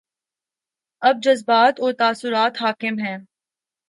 اب جذبات اور تاثرات حاکم ہیں۔